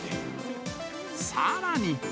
さらに。